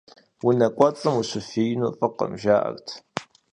Унэ кӀуэцӀым ущыфиину фӀыкъым, жаӀэрт.